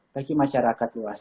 bagi masyarakat luas